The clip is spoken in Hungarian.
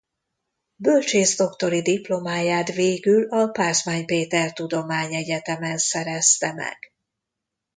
Bölcsészdoktori diplomáját végül a Pázmány Péter Tudományegyetemen szerezte meg.